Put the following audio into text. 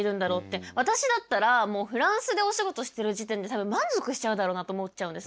私だったらもうフランスでお仕事してる時点で多分満足しちゃうだろうなって思っちゃうんです。